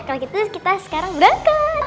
kalau gitu kita sekarang berangkat